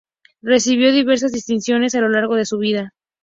Recibió diversas distinciones a lo largo de su vida.